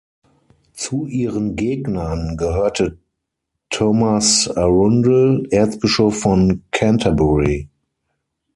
Zu ihren Gegnern gehörte Thomas Arundel, Erzbischof von Canterbury.